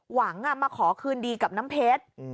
หวังมาขอคืนดีกับน้ำเพชร